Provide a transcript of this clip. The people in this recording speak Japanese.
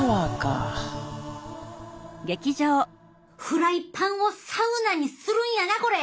フライパンをサウナにするんやなこれ！